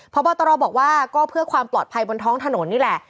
พบตรบอกว่าก็เพื่อความปลอดภัยบนท้องถนนนี่แหละ